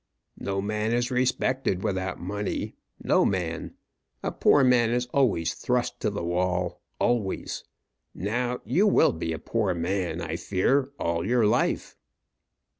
"No man is respected without money no man. A poor man is always thrust to the wall always. Now you will be a poor man, I fear, all your life."